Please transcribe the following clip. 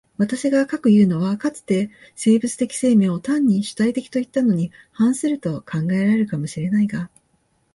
私が斯くいうのは、かつて生物的生命を単に主体的といったのに反すると考えられるかも知れないが、